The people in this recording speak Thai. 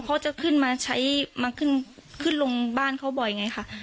เขาจะขึ้นมาใช้มาขึ้นลงบ้านเขาบ่อยไงค่ะ